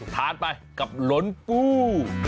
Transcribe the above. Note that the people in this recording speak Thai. ทานไปกับหลนกู้